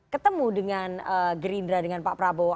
ketemu dengan gerindra dengan pak prabowo